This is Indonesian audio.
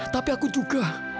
tapi aku juga